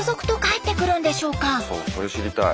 そうそれ知りたい。